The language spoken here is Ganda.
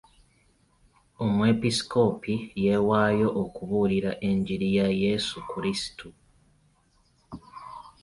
Omwepiskoopi yeewaayo okubuulira enjiri ya Yesu Krisitu.